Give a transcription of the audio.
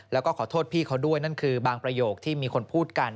แล้วก็ขอโทษพี่เขาด้วยนั่นคือบางประโยคที่มีคนพูดกัน